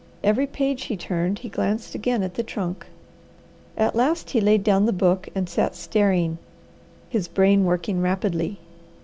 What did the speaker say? Every page he turned he glanced again at the trunk. At last he laid down the book and sat staring, his brain working rapidly.